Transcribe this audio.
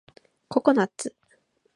ココナッツ